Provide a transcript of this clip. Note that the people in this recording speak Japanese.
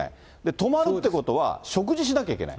泊まるっていうことは、食事しなきゃいけない。